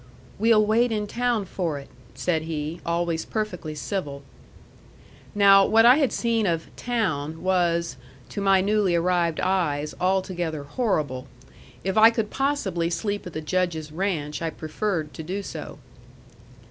"We'll wait in town for it," said he, always perfectly civil. Now, what I had seen of "town" was, to my newly arrived eyes, altogether horrible. If I could possibly sleep at the Judge's ranch, I preferred to do so.